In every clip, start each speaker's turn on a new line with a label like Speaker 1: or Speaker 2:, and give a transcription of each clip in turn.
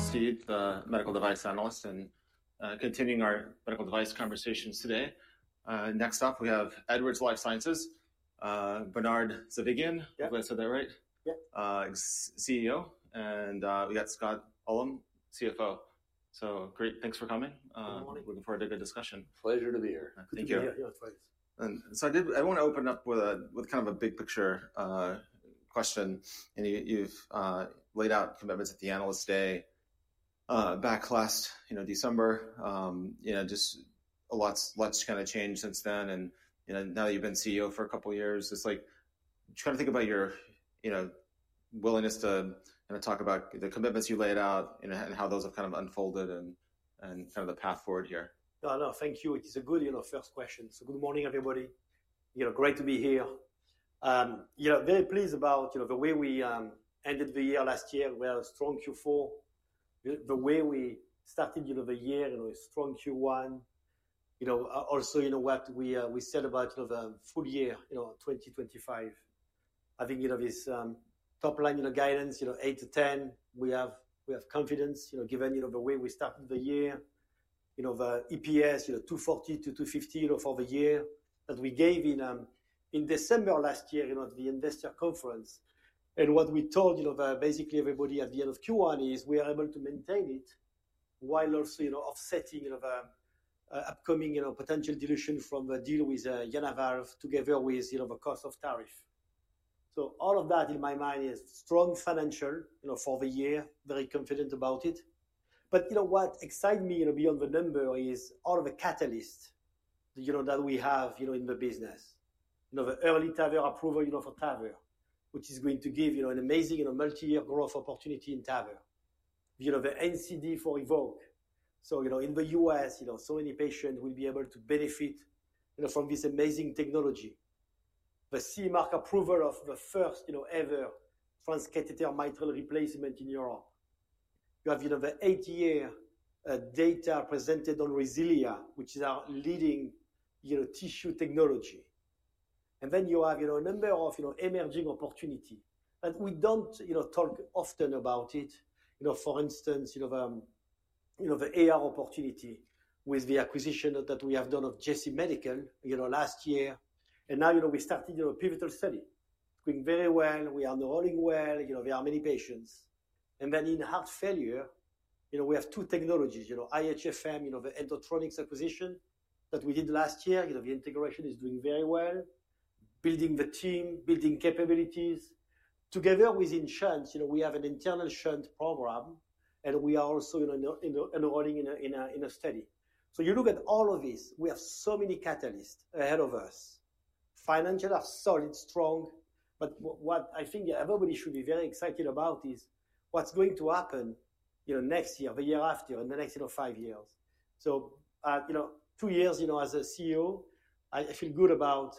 Speaker 1: Travis Steed, the medical device analyst, and continuing our medical device conversations today. Next up, we have Edwards Lifesciences, Bernard Zovighian.
Speaker 2: Yep.
Speaker 1: Did I say that right?
Speaker 2: Yep.
Speaker 1: CEO. And we got Scott Ullem, CFO. So great. Thanks for coming.
Speaker 3: Good morning.
Speaker 1: Looking forward to a good discussion.
Speaker 3: Pleasure to be here.
Speaker 1: Thank you. Yeah, yeah, please. I want to open up with a kind of a big picture question. You've laid out commitments at the Analysts Day back last December. A lot's kind of changed since then. Now that you've been CEO for a couple of years, it's like, trying to think about your willingness to kind of talk about the commitments you laid out and how those have kind of unfolded and the path forward here.
Speaker 2: No, no, thank you. It's a good first question. Good morning, everybody. Great to be here. Very pleased about the way we ended the year last year. We had a strong Q4. The way we started the year, a strong Q1. Also, what we said about the full year, 2025, I think this top-line guidance, 8-10%, we have confidence given the way we started the year, the EPS, $2.40-$2.50 for the year that we gave in December last year at the investor conference. What we told basically everybody at the end of Q1 is we are able to maintain it while also offsetting upcoming potential dilution from the deal with JenaValve together with the cost of tariff. All of that in my mind is strong financial for the year, very confident about it. What excites me beyond the number is all of the catalysts that we have in the business. The early TAVR approval for TAVR, which is going to give an amazing multi-year growth opportunity in TAVR. The NCD for Evoque. In the U.S., so many patients will be able to benefit from this amazing technology. The CE mark approval of the first ever transcatheter mitral replacement in Europe. You have the 8-year data presented on Resilia, which is our leading tissue technology. Then you have a number of emerging opportunities. We do not talk often about it. For instance, the AR opportunity with the acquisition that we have done of JZ Medical last year. Now we started a pivotal study. Going very well, we are enrolling well, there are many patients. In heart failure, we have two technologies, IHFM, the Endotronix acquisition that we did last year. The integration is doing very well, building the team, building capabilities. Together within Shunt, we have an internal Shunt program. We are also enrolling in a study. You look at all of this, we have so many catalysts ahead of us. Financials are solid, strong. What I think everybody should be very excited about is what's going to happen next year, the year after, in the next five years. Two years as a CEO, I feel good about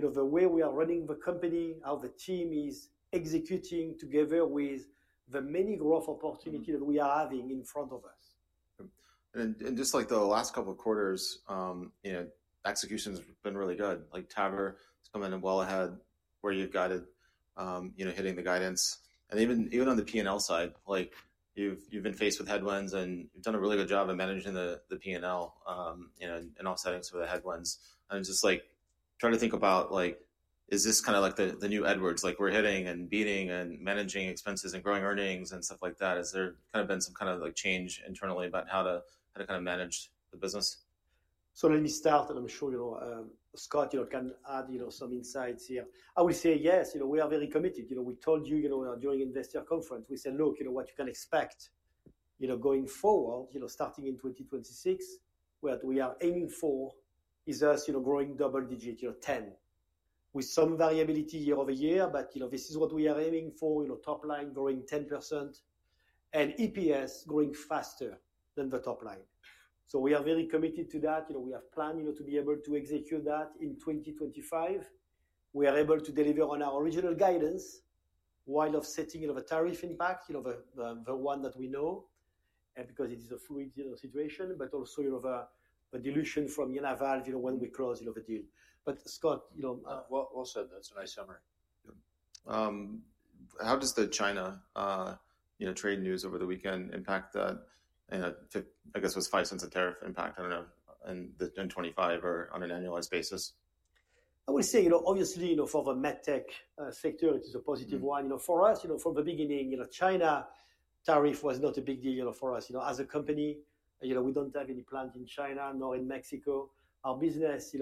Speaker 2: the way we are running the company, how the team is executing together with the many growth opportunities that we are having in front of us.
Speaker 1: Just like the last couple of quarters, execution has been really good. TAVR has come in well ahead where you have got it hitting the guidance. Even on the P&L side, you have been faced with headwinds and you have done a really good job of managing the P&L and offsetting some of the headwinds. It is just like trying to think about, is this kind of like the new Edwards? We are hitting and beating and managing expenses and growing earnings and stuff like that. Has there kind of been some kind of change internally about how to kind of manage the business?
Speaker 2: Let me start and I'm sure Scott can add some insights here. I would say yes, we are very committed. We told you during investor conference, we said, look, what you can expect going forward, starting in 2026, what we are aiming for is us growing double digit, 10, with some variability year over year. This is what we are aiming for, top line growing 10% and EPS growing faster than the top line. We are very committed to that. We have planned to be able to execute that in 2025. We are able to deliver on our original guidance while offsetting the tariff impact, the one that we know, because it is a fluid situation, but also the dilution from JenaValve when we close the deal. But Scott.
Speaker 1: That's a nice summary. How does the China trade news over the weekend impact that? I guess it was $0.05 a tariff impact, I don't know, in 2025 or on an annualized basis.
Speaker 2: I would say, obviously, for the medtech sector, it is a positive one. For us, from the beginning, China tariff was not a big deal for us. As a company, we do not have any plant in China nor in Mexico. Our business,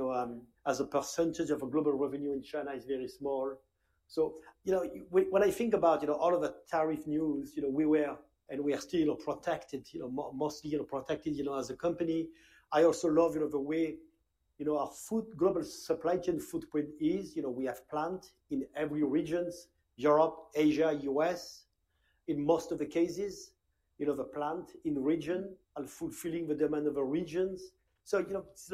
Speaker 2: as a percentage of our global revenue in China, is very small. When I think about all of the tariff news, we were and we are still protected, mostly protected as a company. I also love the way our global supply chain footprint is. We have plant in every region, Europe, Asia, US, in most of the cases, the plant in region and fulfilling the demand of our regions. It is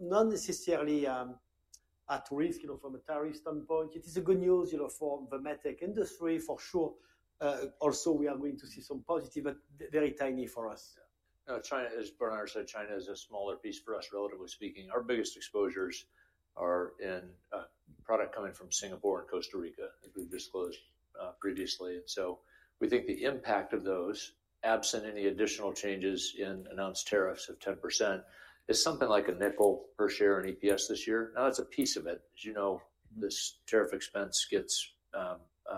Speaker 2: not necessarily at risk from a tariff standpoint. It is good news for the medtech industry, for sure. Also, we are going to see some positive, but very tiny for us.
Speaker 3: As Bernard said, China is a smaller piece for us, relatively speaking. Our biggest exposures are in product coming from Singapore and Costa Rica, as we've disclosed previously. We think the impact of those, absent any additional changes in announced tariffs of 10%, is something like a nickel per share in EPS this year. Now, that's a piece of it. As you know, this tariff expense gets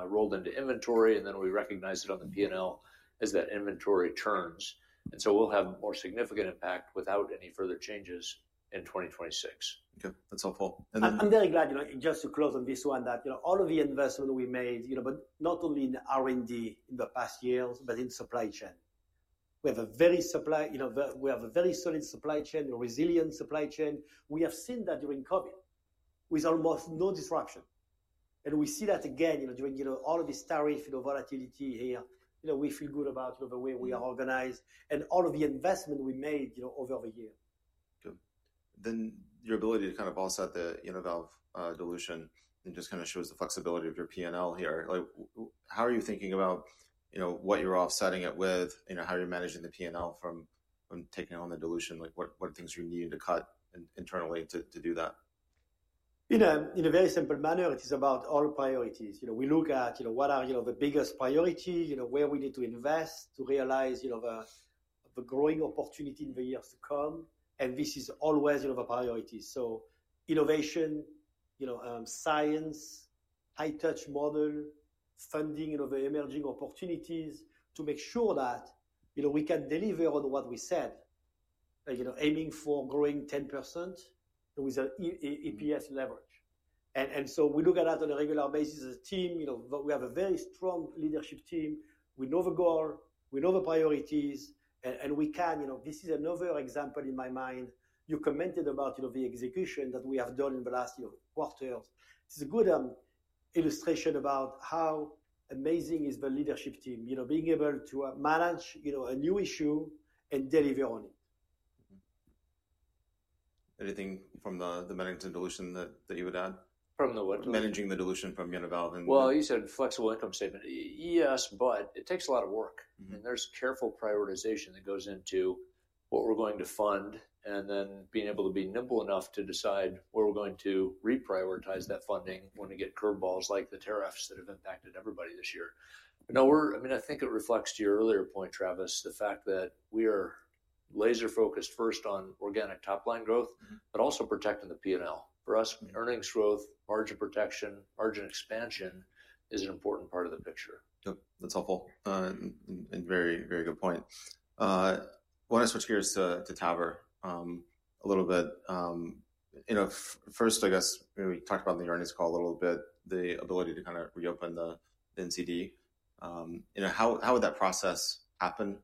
Speaker 3: rolled into inventory, and then we recognize it on the P&L as that inventory turns. We'll have more significant impact without any further changes in 2026.
Speaker 1: Okay. That's helpful.
Speaker 2: I'm very glad, just to close on this one, that all of the investment we made, not only in R&D in the past years, but in supply chain. We have a very solid supply chain, resilient supply chain. We have seen that during COVID with almost no disruption. We see that again during all of this tariff volatility here. We feel good about the way we are organized and all of the investment we made over the year.
Speaker 1: Your ability to kind of offset the UniValve dilution just kind of shows the flexibility of your P&L here. How are you thinking about what you're offsetting it with? How are you managing the P&L from taking on the dilution? What are things you need to cut internally to do that?
Speaker 2: In a very simple manner, it is about all priorities. We look at what are the biggest priorities, where we need to invest to realize the growing opportunity in the years to come. This is always a priority. Innovation, science, high-touch model, funding of the emerging opportunities to make sure that we can deliver on what we said, aiming for growing 10% with EPS leverage. We look at that on a regular basis as a team. We have a very strong leadership team. We know the goal. We know the priorities. This is another example in my mind. You commented about the execution that we have done in the last quarters. It is a good illustration about how amazing the leadership team is, being able to manage a new issue and deliver on it.
Speaker 1: Anything from the management dilution that you would add?
Speaker 2: From the what?
Speaker 1: Managing the dilution from UniValve.
Speaker 3: You said flexible income statement. Yes, but it takes a lot of work. There is careful prioritization that goes into what we are going to fund and then being able to be nimble enough to decide where we are going to reprioritize that funding when we get curveballs like the tariffs that have impacted everybody this year. I mean, I think it reflects to your earlier point, Travis, the fact that we are laser-focused first on organic top-line growth, but also protecting the P&L. For us, earnings growth, margin protection, margin expansion is an important part of the picture.
Speaker 1: Yep. That's helpful. Very, very good point. I want to switch gears to TAVR a little bit. First, I guess we talked about in the earnings call a little bit, the ability to kind of reopen the NCD. How would that process happen?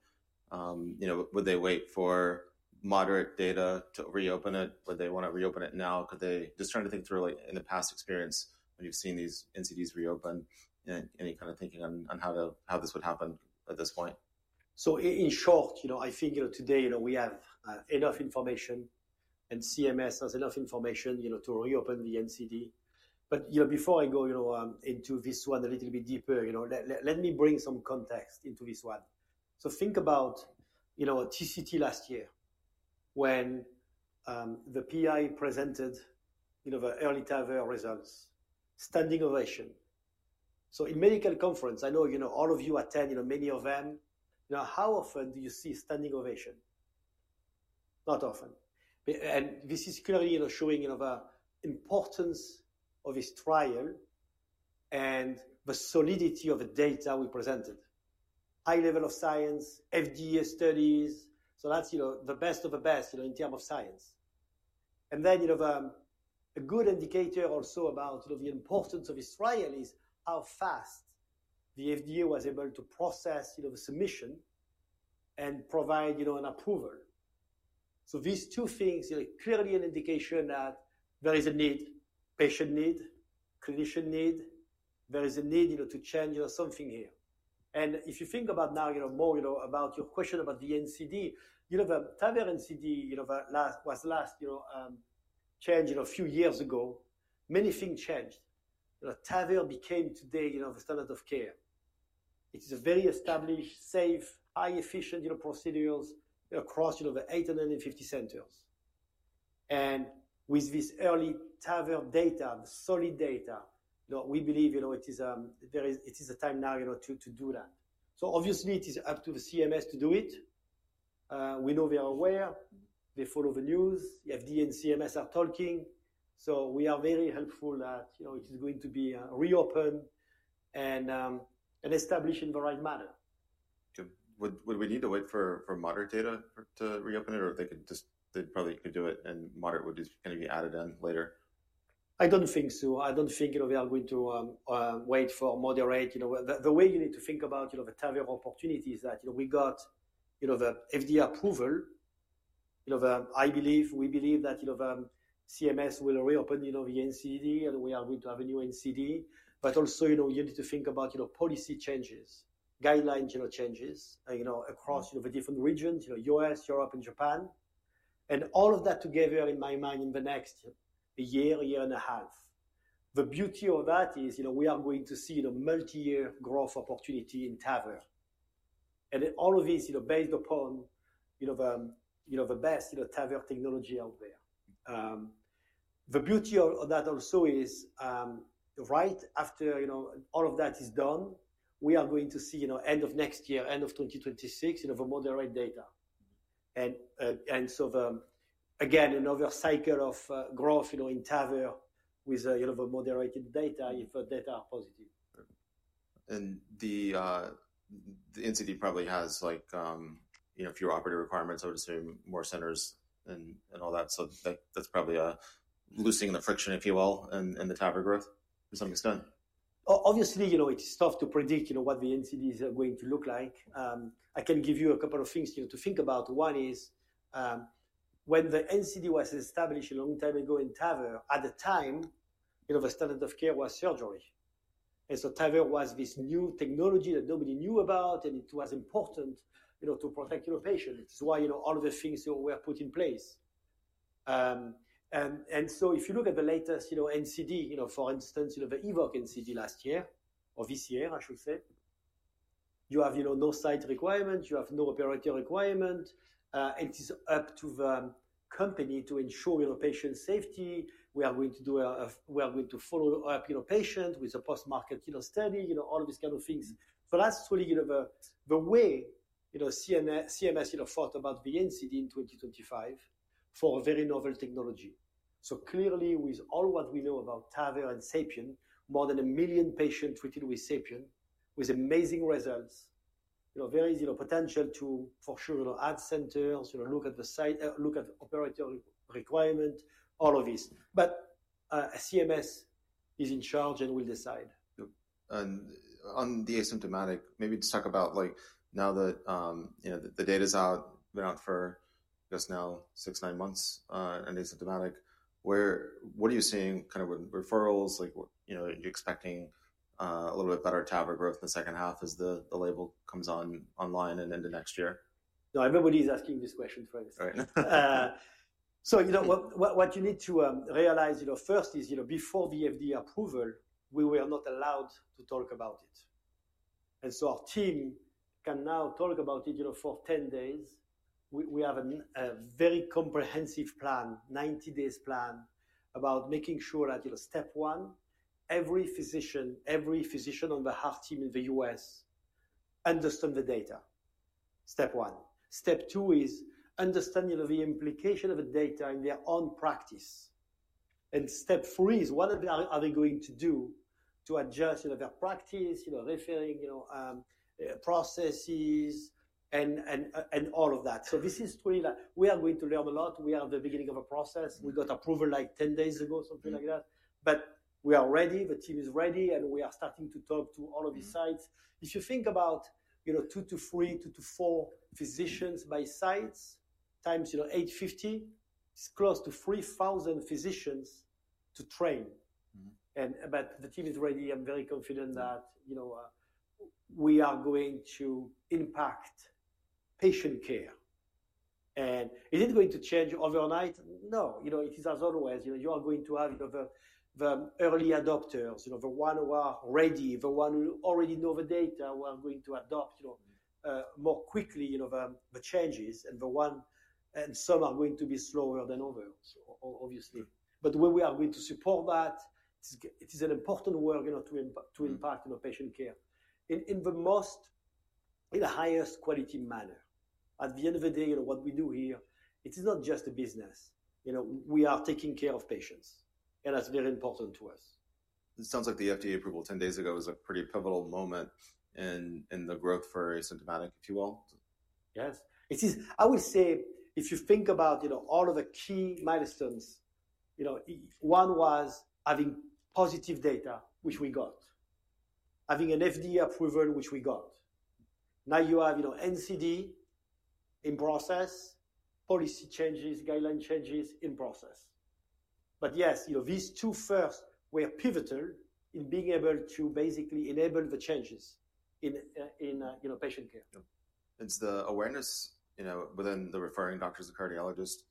Speaker 1: Would they wait for moderate data to reopen it? Would they want to reopen it now? Could they—just trying to think through in the past experience when you've seen these NCDs reopen, any kind of thinking on how this would happen at this point?
Speaker 2: In short, I think today we have enough information and CMS has enough information to reopen the NCD. Before I go into this one a little bit deeper, let me bring some context into this one. Think about TCT last year when the PI presented the early TAVR results, standing ovation. In medical conference, I know all of you attend many of them. How often do you see standing ovation? Not often. This is clearly showing the importance of this trial and the solidity of the data we presented. High level of science, FDA studies, so that's the best of the best in terms of science. A good indicator also about the importance of this trial is how fast the FDA was able to process the submission and provide an approval. These two things are clearly an indication that there is a need, patient need, clinician need. There is a need to change something here. If you think about now more about your question about the NCD, the TAVR NCD was last changed a few years ago. Many things changed. TAVR became today the standard of care. It is a very established, safe, high-efficient procedure across the 850 centers. With this early TAVR data, the solid data, we believe it is the time now to do that. Obviously, it is up to the CMS to do it. We know they are aware. They follow the news. FDA and CMS are talking. We are very hopeful that it is going to be reopened and established in the right manner.
Speaker 1: Would we need to wait for moderate data to reopen it, or they probably could do it and moderate would just kind of be added in later?
Speaker 2: I don't think so. I don't think they are going to wait for moderate. The way you need to think about the TAVR opportunity is that we got the FDA approval. I believe we believe that CMS will reopen the NCD and we are going to have a new NCD. Also, you need to think about policy changes, guideline changes across the different regions, U.S., Europe, and Japan. All of that together, in my mind, in the next year, year and a half. The beauty of that is we are going to see a multi-year growth opportunity in TAVR. All of these are based upon the best TAVR technology out there. The beauty of that also is right after all of that is done, we are going to see end of next year, end of 2026, the moderate data. Again, another cycle of growth in TAVR with the moderate data if the data are positive.
Speaker 1: The NCD probably has a few operator requirements, I would assume, more centers and all that. That is probably loosening the friction, if you will, in the TAVR growth to some extent.
Speaker 2: Obviously, it's tough to predict what the NCDs are going to look like. I can give you a couple of things to think about. One is when the NCD was established a long time ago in TAVR, at the time, the standard of care was surgery. TAVR was this new technology that nobody knew about, and it was important to protect your patient. It's why all of the things were put in place. If you look at the latest NCD, for instance, the Evoque NCD last year, or this year, I should say, you have no site requirement. You have no operator requirement. It is up to the company to ensure patient safety. We are going to follow up patient with a post-market study, all of these kind of things. That's really the way CMS thought about the NCD in 2025 for a very novel technology. Clearly, with all we know about TAVR and SAPIEN, more than a million patients treated with SAPIEN with amazing results, very easy potential to, for sure, add centers, look at the site, look at operator requirement, all of these. CMS is in charge and will decide.
Speaker 1: On the asymptomatic, maybe just talk about now that the data's been out for, I guess, now six, nine months, and asymptomatic. What are you seeing kind of with referrals? Are you expecting a little bit better TAVR growth in the second half as the label comes online and into next year?
Speaker 2: No, nobody's asking this question, Travis.
Speaker 1: All right.
Speaker 2: What you need to realize first is before the FDA approval, we were not allowed to talk about it. Our team can now talk about it for 10 days. We have a very comprehensive plan, 90-day plan, about making sure that step one, every physician, every physician on the health team in the US understand the data. Step one. Step two is understanding the implication of the data in their own practice. Step three is what are they going to do to adjust their practice, referring processes, and all of that. This is really like we are going to learn a lot. We are at the beginning of a process. We got approval like 10 days ago, something like that. We are ready. The team is ready, and we are starting to talk to all of these sites. If you think about two to three, two to four physicians by sites, times 850, it's close to 3,000 physicians to train. The team is ready. I'm very confident that we are going to impact patient care. Is it going to change overnight? No. It is as always. You are going to have the early adopters, the ones who are ready, the ones who already know the data who are going to adopt more quickly the changes, and some are going to be slower than others, obviously. We are going to support that. It is important work to impact patient care in the most, in the highest quality manner. At the end of the day, what we do here, it is not just a business. We are taking care of patients, and that's very important to us.
Speaker 1: It sounds like the FDA approval 10 days ago was a pretty pivotal moment in the growth for asymptomatic, if you will.
Speaker 3: Yes.
Speaker 2: I would say if you think about all of the key milestones, one was having positive data, which we got, having an FDA approval, which we got. Now you have NCD in process, policy changes, guideline changes in process. Yes, these two first were pivotal in being able to basically enable the changes in patient care.
Speaker 1: Is the awareness within the referring doctors, the cardiologists,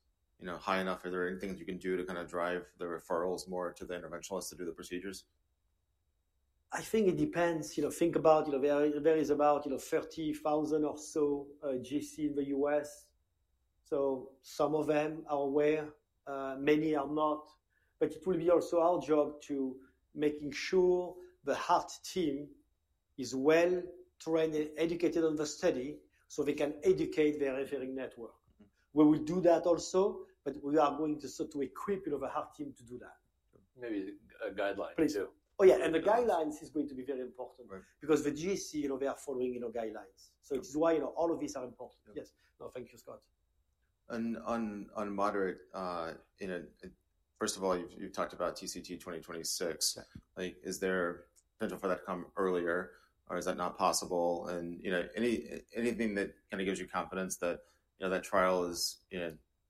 Speaker 1: high enough? Are there any things you can do to kind of drive the referrals more to the interventionalists to do the procedures?
Speaker 2: I think it depends. Think about it, it varies, about 30,000 or so GC in the US. Some of them are aware. Many are not. It will be also our job to make sure the heart team is well trained and educated on the study so they can educate their referring network. We will do that also, but we are going to sort of equip the heart team to do that.
Speaker 1: Maybe a guideline too.
Speaker 2: Oh, yeah. The guidelines is going to be very important because the GC, they are following guidelines. It is why all of these are important. Yes. No, thank you, Scott.
Speaker 1: On moderate, first of all, you've talked about TCT 2026. Is there potential for that to come earlier, or is that not possible? Anything that kind of gives you confidence that that trial is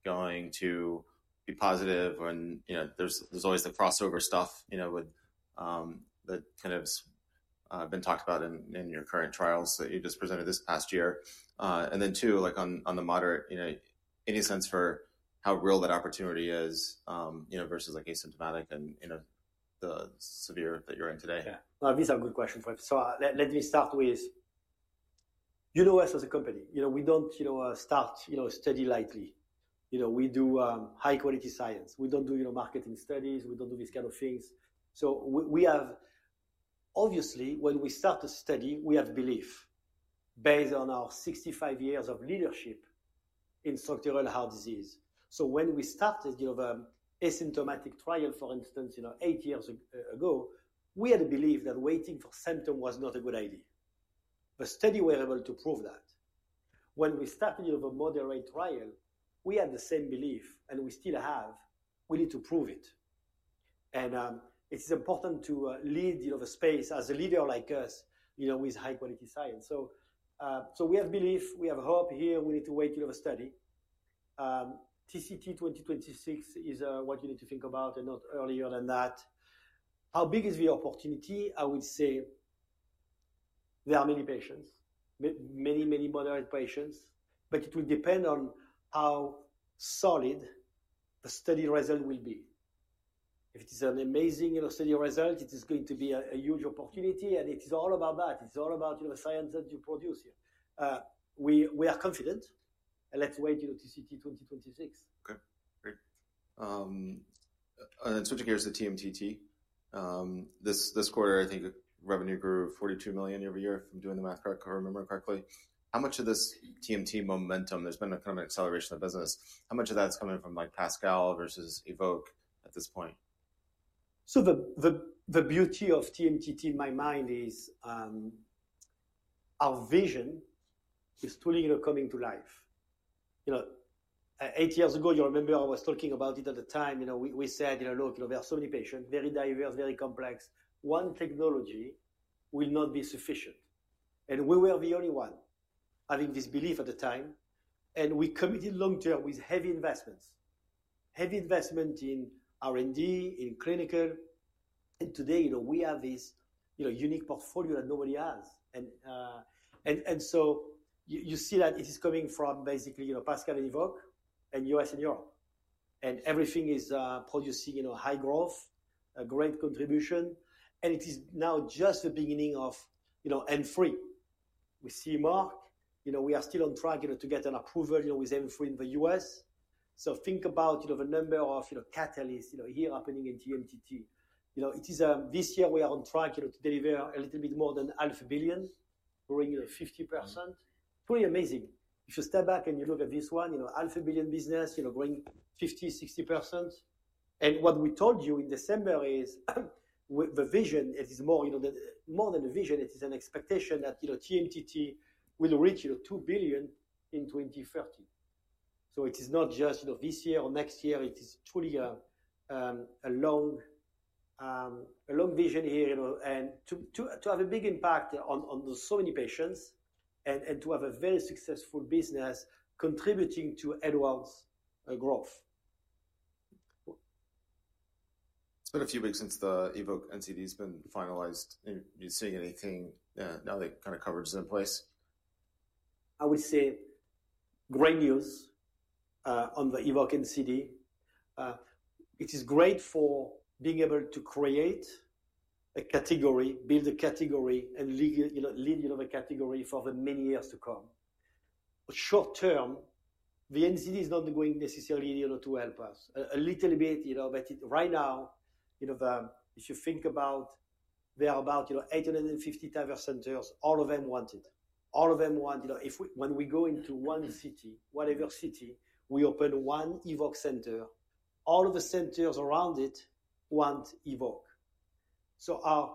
Speaker 1: going to be positive when there's always the crossover stuff that has been talked about in your current trials that you just presented this past year? Two, on the moderate, any sense for how real that opportunity is versus asymptomatic and the severe that you're in today?
Speaker 2: Yeah. No, these are good questions. Let me start with, you know us as a company. We do not start study lightly. We do high-quality science. We do not do marketing studies. We do not do these kind of things. Obviously, when we start to study, we have belief based on our 65 years of leadership in structural heart disease. When we started the asymptomatic trial, for instance, eight years ago, we had a belief that waiting for symptoms was not a good idea. The study was able to prove that. When we started the moderate trial, we had the same belief, and we still have. We need to prove it. It is important to lead the space as a leader like us with high-quality science. We have belief. We have hope here. We need to wait for the study. TCT 2026 is what you need to think about and not earlier than that. How big is the opportunity? I would say there are many patients, many, many moderate patients, but it will depend on how solid the study result will be. If it is an amazing study result, it is going to be a huge opportunity, and it is all about that. It's all about the science that you produce. We are confident, and let's wait to see TCT 2026.
Speaker 1: Okay. Great. Switching gears to TMTT. This quarter, I think revenue grew $42 million year over year if I'm doing the math correctly, if I remember correctly. How much of this TMT momentum—there's been kind of an acceleration of the business—how much of that's coming from Pascal versus Evoque at this point?
Speaker 2: The beauty of TMTT in my mind is our vision is truly coming to life. Eight years ago, you remember I was talking about it at the time. We said, "Look, there are so many patients, very diverse, very complex. One technology will not be sufficient." We were the only one having this belief at the time. We committed long-term with heavy investments, heavy investment in R&D, in clinical. Today, we have this unique portfolio that nobody has. You see that it is coming from basically Pascal and Evoque and US and Europe. Everything is producing high growth, a great contribution. It is now just the beginning of M3. With CMRC, we are still on track to get an approval with M3 in the US. Think about the number of catalysts here happening in TMTT. This year, we are on track to deliver a little bit more than $500,000,000, growing 50%. Pretty amazing. If you step back and you look at this $500,000,000 business, growing 50%-60%. What we told you in December is the vision. It is more than a vision. It is an expectation that TMTT will reach $2,000,000,000 in 2030. It is not just this year or next year. It is truly a long vision here to have a big impact on so many patients and to have a very successful business contributing to Edwards' growth.
Speaker 1: It's been a few weeks since the Evoque NCD has been finalized. Are you seeing anything now that kind of coverage is in place?
Speaker 2: I would say great news on the Evoque NCD. It is great for being able to create a category, build a category, and lead a category for many years to come. Short term, the NCD is not going necessarily to help us a little bit, but right now, if you think about, there are about 850 TAVR centers, all of them want it. All of them want it. When we go into one city, whatever city, we open one Evoque center. All of the centers around it want Evoque. Our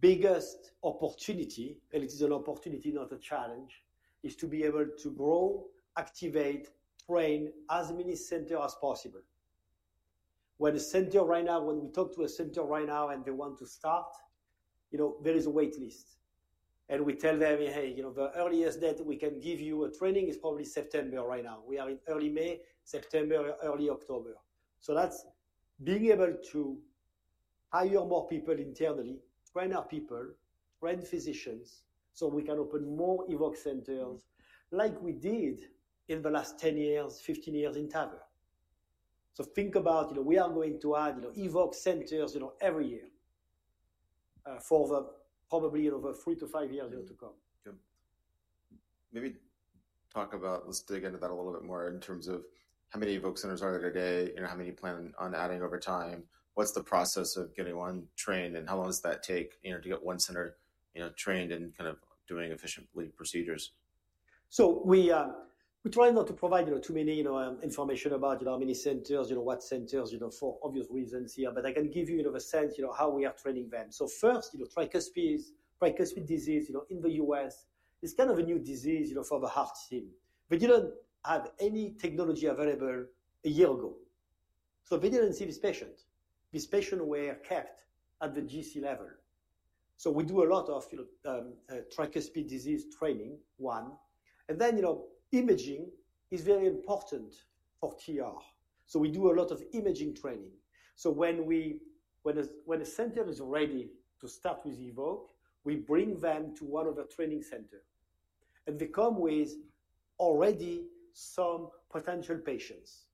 Speaker 2: biggest opportunity, and it is an opportunity, not a challenge, is to be able to grow, activate, train as many centers as possible. When a center right now, when we talk to a center right now and they want to start, there is a waitlist. We tell them, "Hey, the earliest date we can give you a training is probably September right now." We are in early May, September, early October. That is being able to hire more people internally, train our people, train physicians so we can open more Evoque centers like we did in the last 10 years, 15 years in TAVR. Think about we are going to add Evoque centers every year for probably over three to five years to come.
Speaker 1: Maybe talk about, let's dig into that a little bit more in terms of how many Evoque centers are there today, how many plan on adding over time, what's the process of getting one trained, and how long does that take to get one center trained and kind of doing efficiently procedures?
Speaker 2: We try not to provide too much information about how many centers, what centers for obvious reasons here, but I can give you a sense how we are training them. First, tricuspid disease in the U.S. is kind of a new disease for the heart team. They did not have any technology available a year ago. They did not see this patient. These patients were kept at the GC level. We do a lot of tricuspid disease training, one. Imaging is very important for TR. We do a lot of imaging training. When a center is ready to start with Evoque, we bring them to one of the training centers. They come with already some potential patients.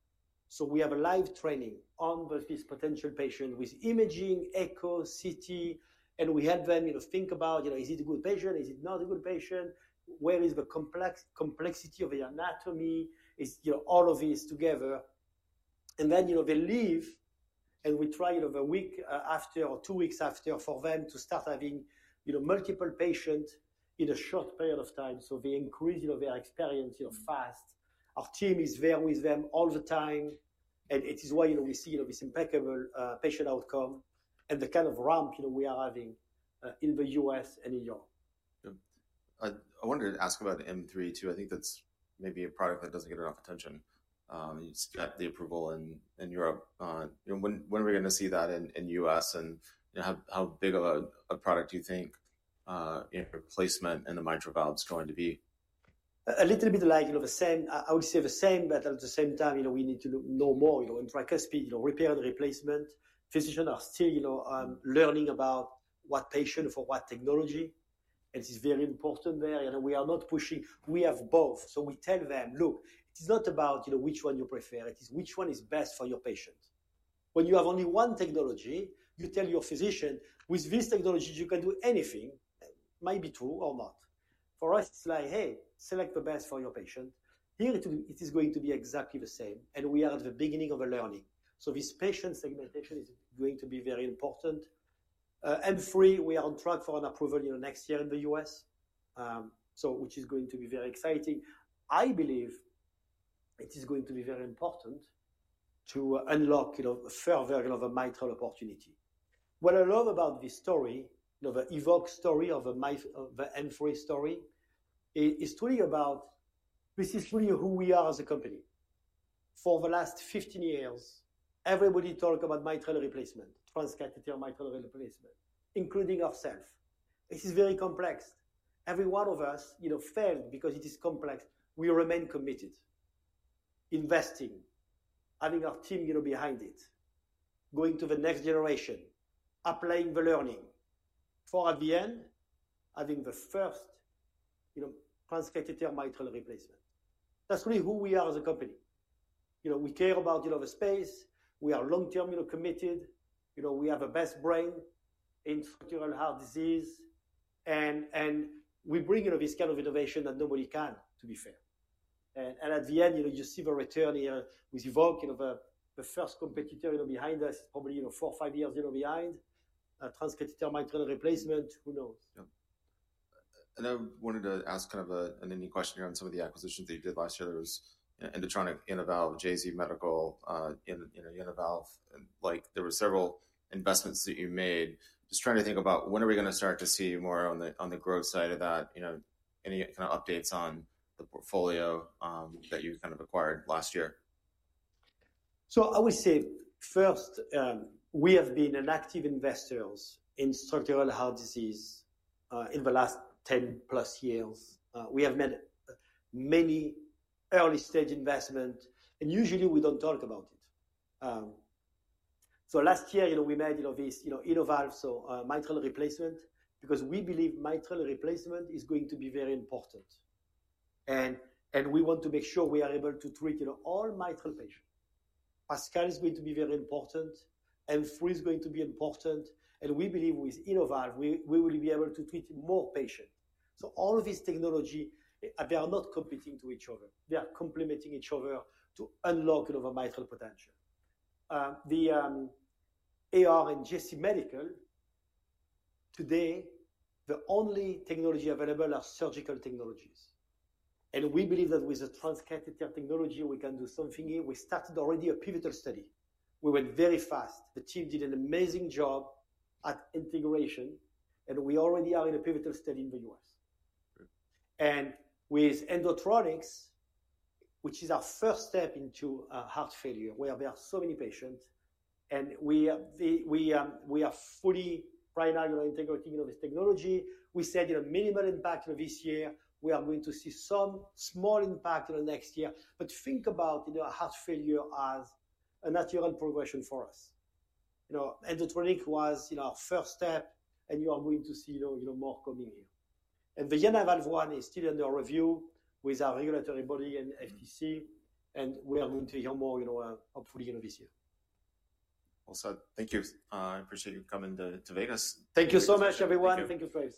Speaker 2: We have a live training on these potential patients with imaging, echo, CT, and we have them think about, "Is it a good patient? Is it not a good patient? Where is the complexity of the anatomy? All of these together. They leave, and we try a week after or two weeks after for them to start having multiple patients in a short period of time. They increase their experience fast. Our team is there with them all the time. It is why we see this impeccable patient outcome and the kind of ramp we are having in the U.S. and in Europe.
Speaker 1: I wanted to ask about M3 too. I think that's maybe a product that doesn't get enough attention. You got the approval in Europe. When are we going to see that in the U.S., and how big of a product do you think placement and the mitral valve is going to be?
Speaker 2: A little bit like the same. I would say the same, but at the same time, we need to know more in tricuspid, repair, and replacement. Physicians are still learning about what patient for what technology. It is very important there. We are not pushing. We have both. We tell them, "Look, it is not about which one you prefer. It is which one is best for your patient." When you have only one technology, you tell your physician, "With this technology, you can do anything." It might be true or not. For us, it is like, "Hey, select the best for your patient." Here, it is going to be exactly the same, and we are at the beginning of the learning. This patient segmentation is going to be very important. M3, we are on track for an approval next year in the U.S., which is going to be very exciting. I believe it is going to be very important to unlock further of a mitral opportunity. What I love about this story, the Evoque story, the M3 story, is truly about this is truly who we are as a company. For the last 15 years, everybody talked about mitral replacement, transcatheter mitral replacement, including ourselves. This is very complex. Every one of us failed because it is complex. We remain committed, investing, having our team behind it, going to the next generation, applying the learning for at the end, having the first transcatheter mitral replacement. That is really who we are as a company. We care about the space. We are long-term committed. We have the best brain in structural heart disease, and we bring this kind of innovation that nobody can, to be fair. At the end, you see the return here with Evoque. The first competitor behind us is probably four or five years behind transcatheter mitral replacement. Who knows?
Speaker 1: I wanted to ask kind of an indie question here on some of the acquisitions that you did last year. There was Endotronix, UniValve, JZ Medical, UniValve. There were several investments that you made. Just trying to think about when are we going to start to see more on the growth side of that? Any kind of updates on the portfolio that you kind of acquired last year?
Speaker 2: I would say first, we have been active investors in structural heart disease in the last 10-plus years. We have made many early-stage investments, and usually, we do not talk about it. Last year, we made this UniValve mitral replacement because we believe mitral replacement is going to be very important. We want to make sure we are able to treat all mitral patients. Pascal is going to be very important. M3 is going to be important. We believe with UniValve, we will be able to treat more patients. All of these technologies, they are not competing to each other. They are complementing each other to unlock the mitral potential. The AR and JenaValve Technology, today, the only technology available are surgical technologies. We believe that with the transcatheter technology, we can do something here. We started already a pivotal study. We went very fast. The team did an amazing job at integration, and we already are in a pivotal study in the U.S. With Endotronix, which is our first step into heart failure, where there are so many patients, and we are fully right now integrating this technology, we said minimal impact this year. We are going to see some small impact in the next year. Think about heart failure as a natural progression for us. Endotronix was our first step, and you are going to see more coming here. The UniValve one is still under review with our regulatory body and FTC, and we are going to hear more, hopefully, this year.
Speaker 1: Thank you. I appreciate you coming to Vegas.
Speaker 2: Thank you so much, everyone.
Speaker 3: Thank you very much.